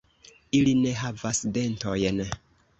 Ili ne havas dentojn.